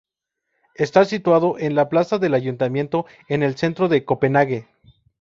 Está situado en la plaza del Ayuntamiento, en el centro de Copenhague.